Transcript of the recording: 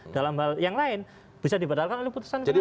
dalam hal yang lain bisa dibatalkan oleh putusan pengadilan